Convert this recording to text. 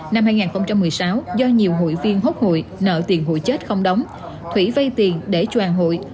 năm hai nghìn một mươi sáu do nhiều hội viên hốt hội nợ tiền hội chết không đóng thủy vây tiền để cho hàng hội